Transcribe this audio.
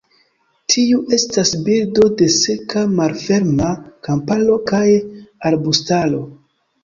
Tiu estas birdo de seka malferma kamparo kaj arbustaro.